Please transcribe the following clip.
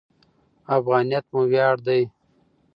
افغانیت مو ویاړ دی.